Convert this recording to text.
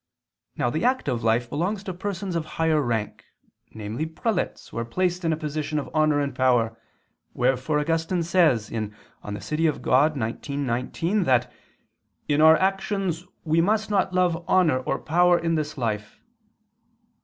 Now the active life belongs to persons of higher rank, namely prelates, who are placed in a position of honor and power; wherefore Augustine says (De Civ. Dei xix, 19) that "in our actions we must not love honor or power in this life."